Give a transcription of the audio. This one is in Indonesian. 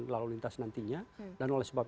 lalu lintas nantinya dan oleh sebab